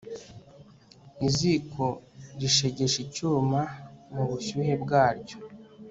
iziko rishegesha icyuma mu bushyuhe bwaryo